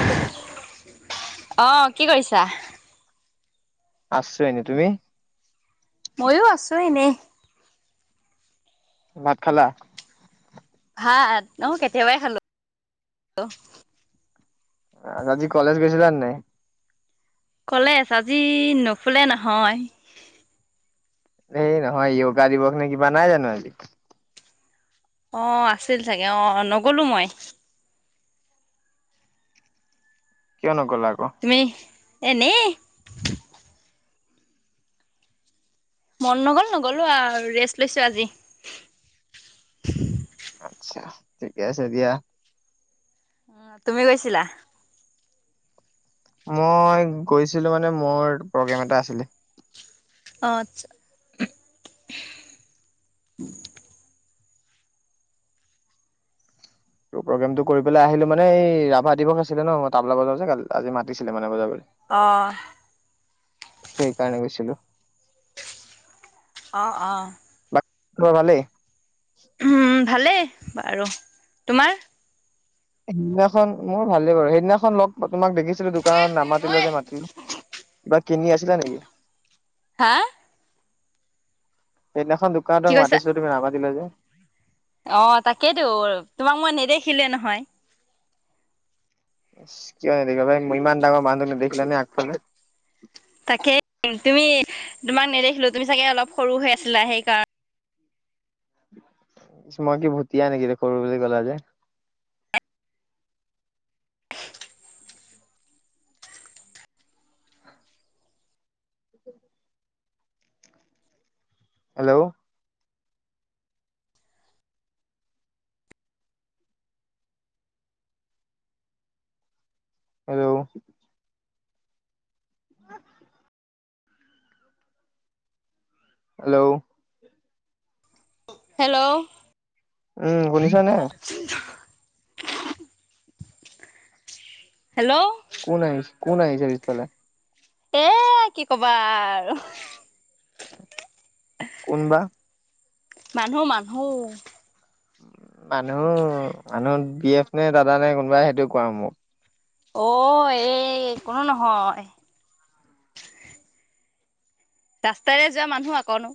Hello অ কি কৰিছা আছে তুমি মইো আছো এনেই ভাত খালা ভাত অ কেতিয়াবাই খালো আজি কলেজ গৈছিলা নাই কলেছ আজি নুখোলে নহয় এই নহয় য়গা দিৱস নে কিবা নাই জানো আজি। অ আছিল চাগে অ নগলো মই কিয়নো? তুমি এনেই মন নগল নগলো আৰু ৰেষ্ট লৈছো আজি। আচ্ছা, ঠিকে আছে দিয়া। উম, তুমি গৈছিলা। মই গৈছিলো মানে মোৰ প্ৰগ্ৰেম এটা আছিলে। আচ্ছা তোৰ প্ৰগ্ৰেমটো কৰিবেলাই আহিলো মানে ৰাভা দিৱস আছিলে ন' মই তবলা বজাও যে আজি মাতিছিলে মানে বজাবলে। অ'। সেইকাৰণে গৈছিলো। অ', অ'। তোমাৰ ভালেই। উম, ভালেই বাৰু, তোমাৰ? সেইদিনাখন মোৰ ভালেই বাৰু, সেইদিনাখন লগ তোমাক দেখিছিলো দোকানত নামাতিলে যে মাতিলো কিবা কিনি আছিলা নেকি? হা? সেদিনাখন দোকানত কি কৈছা মাতিচিলো তুমি নামাতিলা যে। অ', তাকেইতো, তোমাক মই নেদেখিলোৱে নহয়। ইছ, কিয় এনেকোৱা ভাই ইমান ডাঙৰ মানুহটোক নেদেখিলা নে আগফালে। তাকেই, তুমি তোমাক নেদেখিলো তুমি চাগে অলপ সৰু হৈ আছিলা সেইকাৰণ মই কি ভুতিয়া নেকি যে সৰু বুলি ক'লা যে। হেল্লো। হেল্লো। [inaudible] হেল্লো। হেল্লো। উম, শুনিছা নে? হেল্লো। কোন আহিছে, কোন আহিছে পিছফালে? এই, কি কবা আৰু। কোনবা? মানুহ, মানুহ। মানুহ, মানুহ বি এফ নে দাদা নে কোনোবাই সেইটো কোৱা মোক। অ', এই কোনো নহয়। ৰাস্তাৰে যোৱা মানুহ আকৌ।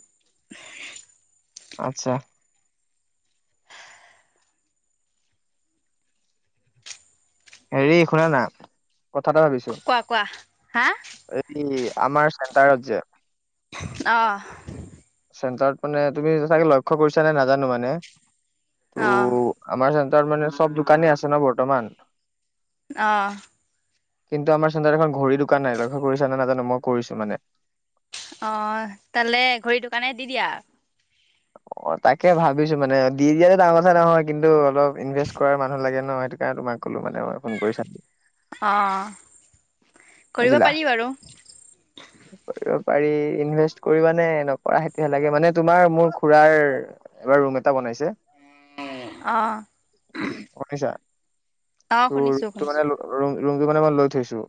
আচ্ছা। হেৰি শুনা না। কথা এটা ভাবিছো কোৱা, কোৱা। হা? এই আমাৰ চেণ্টাৰত যে। অ'। চেণ্টাৰত মানে তুমি ছাগে লক্ষ্য কৰিছা নে নাজানো মানে। ত' অ আমাৰ চেন ন্টাৰত মানে চব দোকানী আছে ন' বৰ্তমান। অ'। কিন্তু আমাৰ চেন্টাৰত এখন ঘড়ী দোকান নাই লক্ষ্য কৰিছা নে নাজানো মই কৰিছো মানে। অ', তালে ঘড়ী দোকানে দি দিয়া। অ', তাকে ভাবিছো মানে দি দিয়াটো ডাঙৰ কথা নহয় কিন্তু অলপ ইনভেষ্ট কৰাৰ মানুহ লাগে ন' সেইটো কাৰণে তোমাক ক'লো মানে মই ফোন কৰি চা অ'। কৰিব বুজিলা পাৰি বাৰু পাৰি ইনভেষ্ট কৰিবানে নকৰা সেইটোহে লাগে মানে তোমাৰ মোৰ খুড়াৰ এইবাৰ ৰুম এটা বনাইছে অ [unintelligible] অ ত শুনিছো ৰুমটো মানে শুনিছো ৰুমটো মানে মই লৈ থৈছো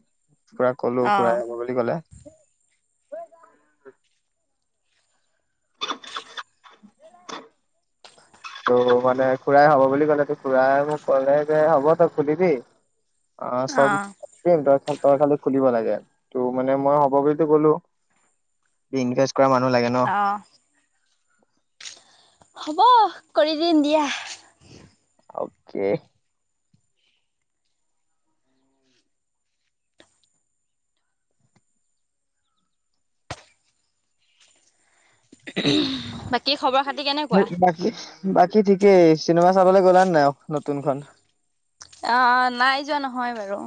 খুড়াক কলো অ খুড়াই হব বুলি ক'লে [inaudible] ত' মানে খুড়াই হ'ব বুলি ক'লে ত খুড়াই মোক ক'লে যে হ'ব তই খুলিবি অ চব [unintelligible] তই খালি খুলিব লাগে ত মানে মই হ'ব বুলিতো কলো কৰা মানুহ লাগে ন অ হ'ব কৰি দিম দিয়া অকে বাকী খবৰ খাতি কেনেকুৱা সেই বাকী বাকী ঠিকেই চিনেমা চাবলে গ'লা ন নাই নতুনখন অ নাই যোৱা নহয় বাৰু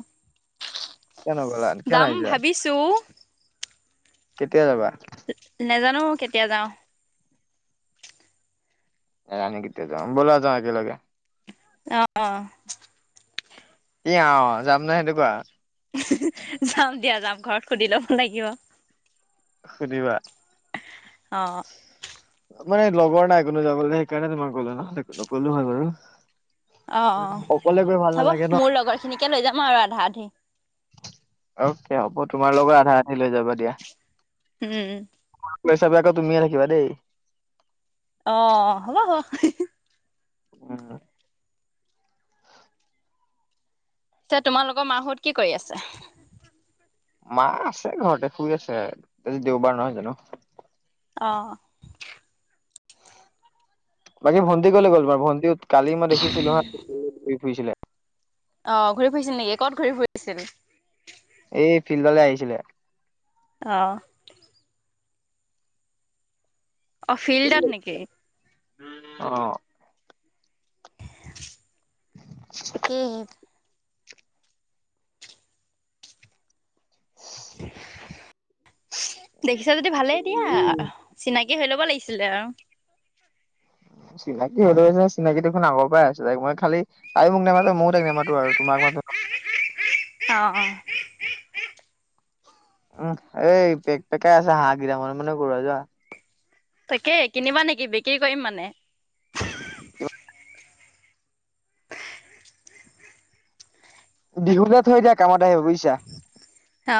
কিয় নগ'লা কিয় যাম নাই যোৱা ভাবিছো কেতিয়া যাবা [unintelligible] কেতিয়া যাও [unintelligible] কেতিয়া যাও বলা যাও একেলগে অ কি অ যাম নাই সেইটো কোৱা যাম দিয়া যাম ঘৰত সুধি লব লাগিব সুধিবা অ মানে লগৰ নাই কোনো যাবলে সেইকাৰণে তোমাক ক'লো নহলে নক'লো হয় বাৰু অ অ অকলে গৈ ভাল হব নালাগে ন মোৰ লগৰ খিনিক কে লৈ যাম আৰু আধা আধি অকে হ'ব তোমাৰ লগৰ আধা আধি লৈ যাবা দিয়া উম, পইচাবিলাকো তুমিয়ে ৰাখিবা দেই। অ হ'ব হ'ব। উম। পিছে তোমালোকৰ মাহঁত কি কৰি আছে? মা আছে ঘৰতে শুই আছে, আজি দেওবাৰ নহয় জানো। অহ। বাকী ভণ্টি ক'লে গ'ল বা ভণ্টিহঁত? কালি মই দেখিছিলো হা খুইছিলে। অ ঘূৰি ফুৰিছিল নেকি ক'ত ঘূৰি ফুৰিছিল? চিলে। অঁ অ ফিল্ডত নেকি? অ কে [inaudible] দেখিছা যদি ভালেই দিয়া‌ চিনাকি হৈ ল'ব লাগি আছিলে আৰু চিনাকি হ'লেও জাষ্ট চিনাকি দেখোন আগৰ পৰাই আছিল মই খালি তাইও মোক নামাতে মইও তাইক নামাতো আৰু তোমাৰ অঁ অঁ উম এই পেক পেকাই আছে হাঁহ কেইটামান তাকেই কিনিবা নেকি বিক্ৰী কৰিম মানে বিহুলে থৈ দিয়া কামত আহিব বুজিছা।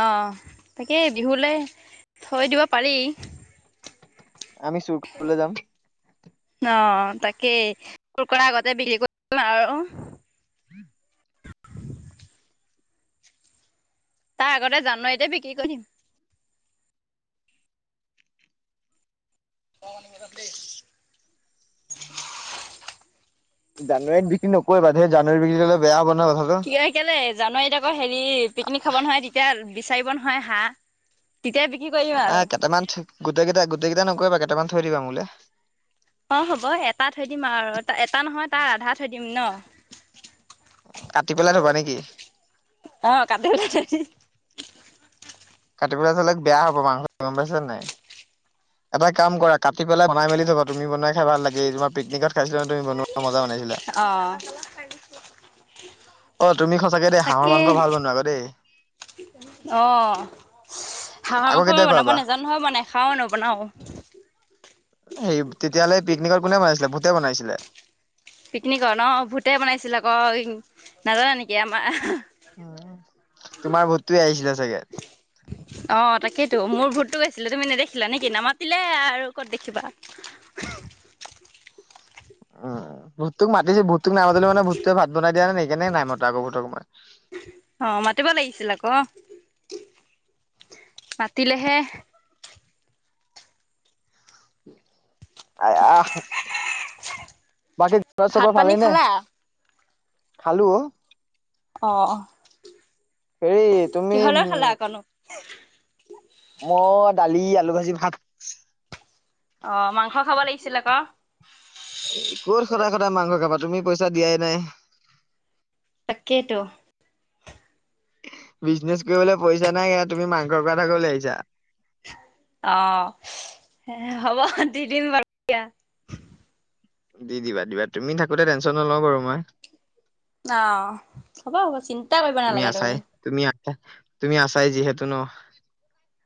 অঁ তাকে বিহুলে থৈ দিব পাৰি আমি চুৰ কৰিবলে যাম। ন তাকেই। ক কৰা আগতে বিল কৰি আৰু। [inaudible] তাৰ আগতে জানুৱাৰীতে বিক্ৰী কৰি দিম। [inaudible] জানুৱাৰীত বিক্ৰী নকৰিবা ধেত। জানুৱাৰীত বিক্ৰী কৰিলে বেয়া হ'ব। নহয় কথাটো। কিয় হিকানে জানুৱাৰীত আকৌ হেৰি পিকনিক খাব নহয় তিতিয়া। বিচাৰিব নহয় হাঁহ। তেতিয়া বিক্ৰী কৰি দিম আৰু নাই কেটেমান ঠি, গোটেই কেইটা গোটেই কেইটা নকৰিবা কেটেমান থৈ দিবা মোলে। অ হ'ব এটা থৈ দিম আৰু, এটা নহয় তাৰ আধা থৈ দিম ন? কাটি পেলাই থবা নেকি? অ কাটি পেলাই থৈ দিম কাটি পেলাই থলে বেয়া হ'ব মাংস গম পাইছা নে নাই। এটা কাম কৰা কাটি পেলাই বনাই মেলি থবা তুমি বনাই খাই ভাল লাগেই, তোমাৰ পিকনিকত খাইছিলা তুমি বনোৱা মজা বনাইছিলা। অ তুমি সঁচাকে দেই [inaudible] হাঁহৰ মাংস তাকেই। ভাল বনোৱা আকৌ দেই। অহ। হাঁহৰ আকৌ মাংস মই কেতিয়া বনাব খুৱাবা নেজানো নহয়। মই নেখাওঁ নবনাও। হেৰি, তেতিয়াহ'লে পিকনিকত কোনে বনাইছিলে ভূতে বনাইছিলে? পিকনিকৰ ন ভূতে বনাইছিল আকৌ নাজানে নেকি আমাৰ তোমাৰ ভূতটোৱে আহিছিলে চাগে অঁ তাকেইেতো মোৰ ভূতটো গৈছিলে তুমি নেদেখিলা নেকি নামাতিলে আৰু ক'ত দেখিবা উম ঋতুক মাতিছিল [unintelligible] সেইকাৰণে নাই মতা আকৌ পতককৈ অঁ মাতিব লাগিছিল আকৌ মাতিলেহে আহ বাকী ঘৰত ভাত চবৰ পানী ভালেই নে খালা খালো অঁ হেৰি তুমি উম আকনো? মই দালি আলু ভাজি ভাত অঁ মাংস খাব লাগিছিল আকৌ [unintelligible] ক'ত সদায় সদায় মাংস খাবা তুমি পইচা দিয়াই নাই তাকেইটো বিজনেজ কৰিবলৈ পইচা নাই এয়া তুমি মাংসৰ কথা ক'বলৈ আহিছা অঁ হ'ব দি দিম বাৰু দিয়া দি দিবা দিবা তুমি থাকোতে টেনচন নলওঁ বাৰু মই অঁ হ'ব হ'ব চিন্তা কৰিব নালাগে তুমি তুমি আছাই যিহেতু ন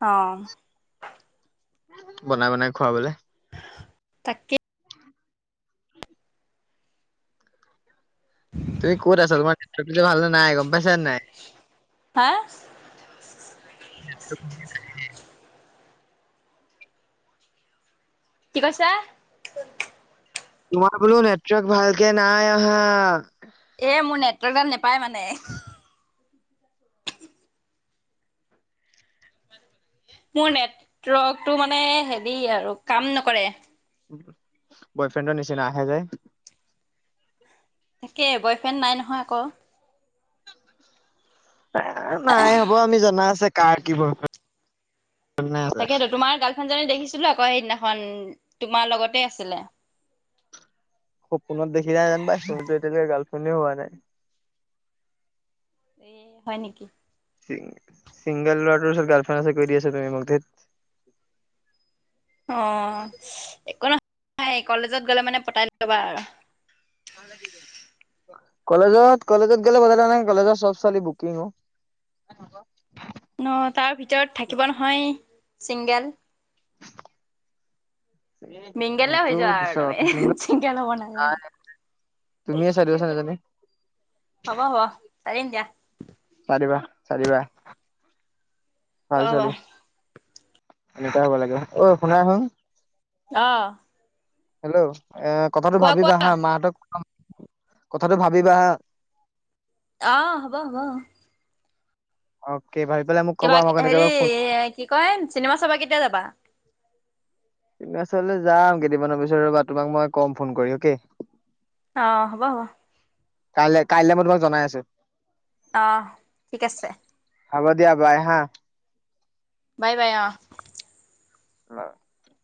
অঁ বনাই বনাই খোৱাবলে তাকে তুমি ক'ত আছ তোমাৰ নেটৱৰ্ক ভাল নাই গম পাইছা নাই হা [inaudible] কি কৈছা তোমাৰ বোলো নেটৱৰ্ক ভালকে নাই অহা এ মোৰ নেটৱৰ্কডাল নেপায় মানে মোৰ নেটৱৰ্কটো মানে হেৰি আৰু কাম নকৰে বয়ফ্ৰেণ্ডৰ নিচিনা আহে যায় তাকে বয়ফ্ৰেণ্ড নাই নহয় আকৌ এ নাই হ'ব আমি জনা আছে কাৰ কি বৰ তাকেতো তোমাৰ গাৰ্লফ্ৰেণ্ডজনী দেখিছিলো আকৌ সেইদিনা হয় তোমাৰ লগতে আছিলে সপোনত দেখিলে যেন পাইছো মোাটো এতিয়ালৈকে গাৰ্লফ্ৰেণ্ডেই হোৱা নাই এ হয় নেকি চিংগল ল'ৰাটোৰ গাৰ্লফ্ৰেণ্ড আছে কৈ দিয়া আছা তুমি মোক ধেৎ অঁ, একো নহয় একো নাই কলেজত গ'লে মানে পতাই ল'বা আৰু। কলেজত কলেজত গলে পতাই লবা কি কলেজত চব ছোৱলী বুকিং অঁ। অঁ তাৰ ভিতৰত থাকিব নহয়। ছিংগেল। মিংগেলে সেইটো হৈ যোৱা আৰু পিছত তুমি কথা ছিংগেল হ'ব নালাগে তুমিয়ে চাই দিবাচোন এজনী। হ'ব হ'ব চাই দিম দিয়া। চাইদিবা চাই দিবা হব এনেকাই হ'ব লাগে, অ', শুনা চোন। অ' হেল্ল'। এ কথাটো ভাবিবা হা মাহঁতক কম কথাটো ভাবিবা হা। অঁ হ'ব হ'ব [unintelligible] মোক কিবা ক'বা মই কেনেকে হেৰি ফোন কি কয়, চিনেমা চাবা কেতিয়া যাবা। চিনেমা চাবলে যাম কেইদিনামানৰ পিছত ৰ'বা তোমাক মই কম ফোন কৰি অকে। অঁ হ'ব হ'ব। কাইলৈ কাইলৈ মই তোমাক জনাই আছো। অ', ঠিক আছে। হ'ব দিয়া বাই হা। বাই বাই অঁ [unintelligible]